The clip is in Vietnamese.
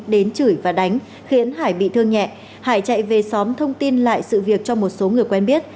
đến chửi và đánh khiến hải bị thương nhẹ hải chạy về xóm thông tin lại sự việc cho một số người quen biết